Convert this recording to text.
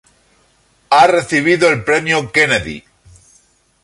Ha recibido el Premio Kennedy.